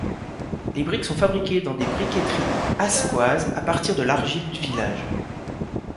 Les briques sont fabriquées dans des briqueteries ascquoises à partir de l'argile du village.